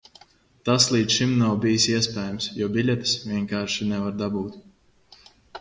Tas līdz šim nav bijis iespējams, jo biļetes vienkārši nevar dabūt.